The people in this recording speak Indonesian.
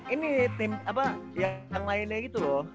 ini tim apa yang lainnya gitu loh